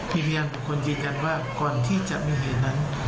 มีพยานบุคคลยืนยันว่าก่อนที่จะมีเหตุนั้น